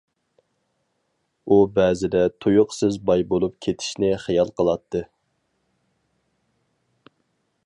ئۇ بەزىدە تۇيۇقسىز باي بولۇپ كېتىشنى خىيال قىلاتتى.